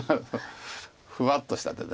ふわっとした手で。